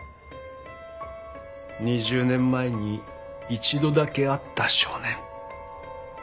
２０年前に一度だけ会った少年。